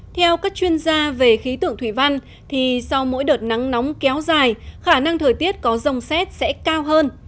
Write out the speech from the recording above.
theo các chuyên gia về khí tượng thủy văn sau mỗi đợt nắng nóng kéo dài khả năng thời tiết có rông xét sẽ cao hơn